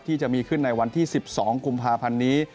ที่จะมีขึ้นในวันที่๑๒กุมภาพันธ์นี้